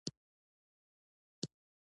يوه خبره حقيقت ، سل کاله عبادت.